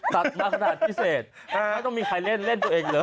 ตัดมาขนาดพิเศษไม่ต้องมีใครเล่นเล่นตัวเองเลย